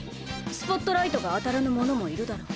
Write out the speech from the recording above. スポットライトが当たらぬ者もいるだろう。